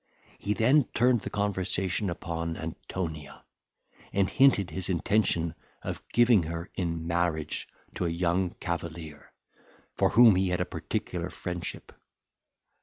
He then turned the conversation upon Antonia, and hinted his intention of giving her in marriage to a young cavalier, for whom he had a particular friendship.